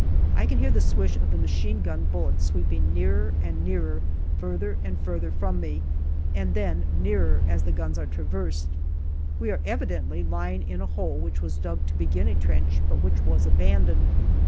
I can hear the swish of the machine gun bullets sweeping nearer and nearer, farther and farther 'from me, and then nearer as the guns are traversed. We are evidently lying in a hole which was dug to begin a trench, but which was abandoned.